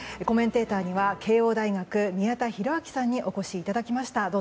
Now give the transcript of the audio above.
コメンテーターには慶應大学、宮田裕章さんにお越しいただきました